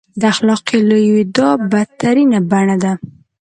د اخلاقي لوېدا بدترینه بڼه ده.